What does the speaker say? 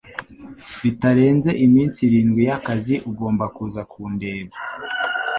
Bitarenze iminsi irindwi y ‘akazi ugomba kuza kundeba